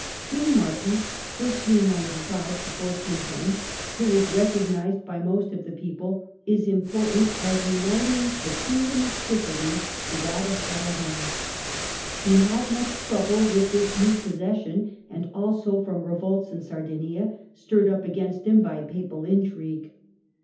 King Martin i., Martin, who was recognised by most of the people, is im portant as uniting the Kingdom of Sicily to that ofsidiy Aragon. He had much trouble with this new posses Aragon!" sion, and also from revolts in Sardinia, stirred up against ^^^^ him by Papal intrigue.